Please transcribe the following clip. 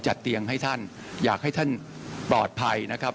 จัดเตียงให้ท่านอยากให้ท่านปลอดภัย